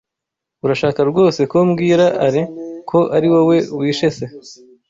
Urashaka rwose ko mbwira Alain ko ari wowe wishe se?